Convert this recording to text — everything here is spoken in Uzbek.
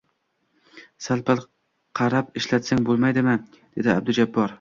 Sal-pal qarab ishlatsang bo`lmaydimi, dedi Abdujabbor